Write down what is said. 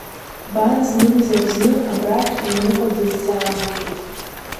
Бан знымзар-зны абрахь аҩныҟа дысзаамгеит.